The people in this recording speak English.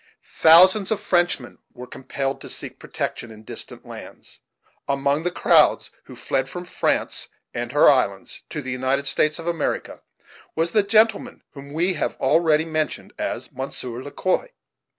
Thousands of Frenchmen were compelled to seek protection in distant lands. Among the crowds who fled from France and her islands, to the United States of America, was the gentleman whom we have already mentioned as Monsieur Le Quoi.